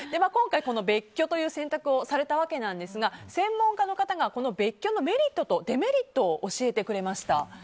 今回、別居という選択をされたわけなんですが専門家の方が別居のメリットとデメリットを教えてくれました。